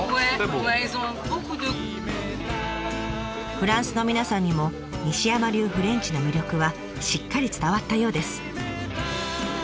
フランスの皆さんにも西山流フレンチの魅力はしっかり伝わったようです。